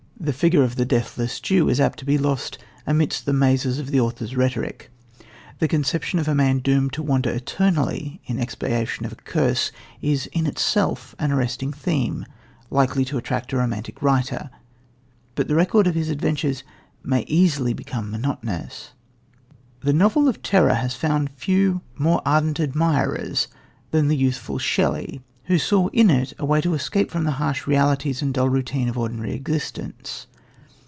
The figure of the deathless Jew is apt to be lost amid the mazes of the author's rhetoric. The conception of a man doomed to wander eternally in expiation of a curse is in itself an arresting theme likely to attract a romantic writer, but the record of his adventures may easily become monotonous. The "novel of terror" has found few more ardent admirers than the youthful Shelley, who saw in it a way of escape from the harsh realities and dull routine of ordinary existence.